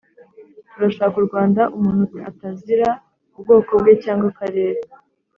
turashaka u rwanda umuntu atazira ubwoko bwe cyangwa akarere